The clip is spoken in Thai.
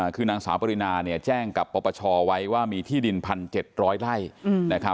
คือนางสาวปรินาแจ้งกับปปชไว้ว่ามีที่ดิน๑๗๐๐ไร่